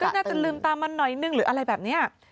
น่าจะลืมตามันหน่อยนึงหรืออะไรแบบนี้